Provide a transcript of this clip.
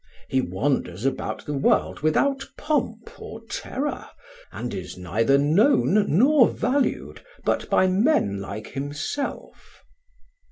He wanders about the world without pomp or terror, and is neither known nor valued but by men like himself.